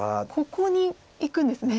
ここにいくんですね。